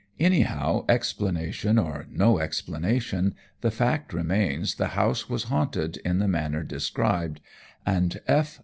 Anyhow, explanation or no explanation, the fact remains the house was haunted in the manner described, and F.